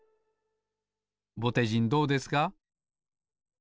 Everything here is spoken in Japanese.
ぼてじんどうですか？